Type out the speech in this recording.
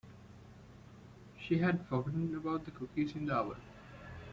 She had forgotten about the cookies in the oven.